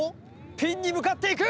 ピンに向かっていく！